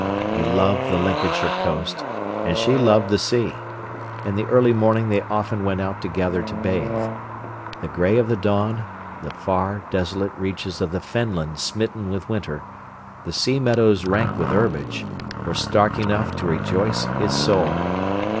He loved the Lincolnshire coast, and she loved the sea. In the early morning they often went out together to bathe. The grey of the dawn, the far, desolate reaches of the fenland smitten with winter, the sea meadows rank with herbage, were stark enough to rejoice his soul.